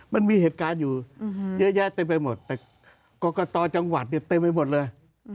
มันมีเหตุการณ์อยู่เยอะแยะเต็มไปหมดแต่กรกตจังหวัดเนี่ยเต็มไปหมดเลย